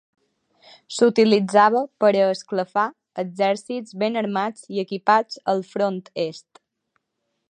S'utilitzava per a esclafar exèrcits ben armats i equipats al Front Est.